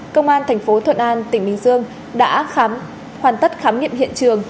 công an tp thuận an tỉnh bình dương đã hoàn tất khám nghiệm hiện trường